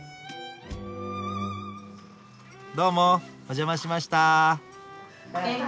どうもお邪魔しました。